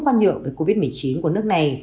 quan nhượng với covid một mươi chín của nước này